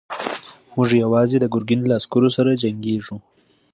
موږ يواځې د ګرګين له عسکرو سره جنګېږو.